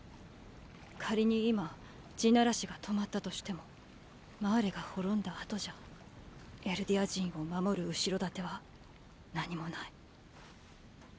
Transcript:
仮に今「地鳴らし」が止まったとしてもマーレが滅んだ後じゃエルディア人を守る後ろ盾は何も無い。